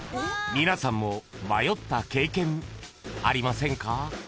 ［皆さんも迷った経験ありませんか？］